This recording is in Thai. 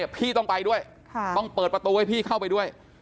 พี่ต้องไปด้วยต้องเปิดประตูให้พี่เข้าไปด้วย